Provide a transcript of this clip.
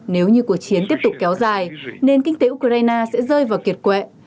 nếu như cuộc chiến tiếp tục kéo dài nền kinh tế ukraine sẽ rơi vào kiệt quệ